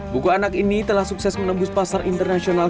buku anak ini telah sukses menembus pasar internasional